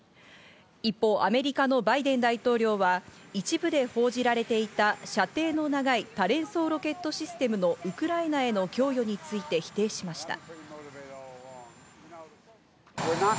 一方、アメリカのバイデン大統領は一部で報じられていた射程の長い多連装ロケットシステムのウクライナへの供与について否定しました。